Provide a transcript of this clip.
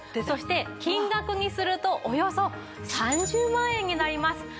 そして金額にするとおよそ３０万円になります。